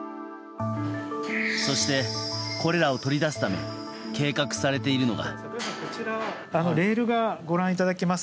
そして、これらを取り出すため計画されているのが。